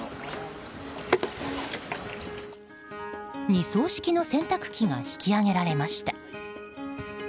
二槽式の洗濯機が引き揚げられました。